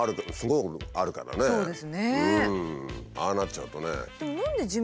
ああなっちゃうとね。